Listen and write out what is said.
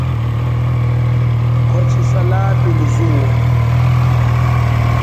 Kwatshisa lapi mu zuwo.